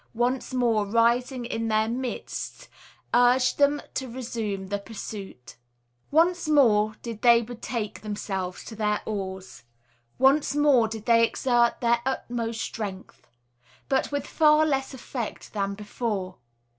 once more rising in their midst, urged them to resume the pursuit. Once more did they betake themselves to their oars, once more did they exert their utmost strength, but with far less effect than before.